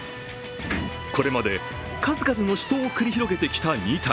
これまで数々の死闘を繰り広げてきた２体。